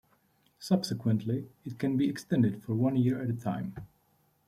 Subsequently, it can be extended for one year at a time.